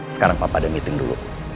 sekarang papa ada meeting dulu